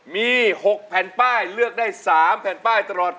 มี๖แผ่นป้ายเลือกได้๓แผ่นป้ายตลอด